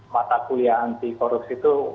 mata kuliah anti korupsi itu